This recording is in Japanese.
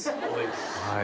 はい。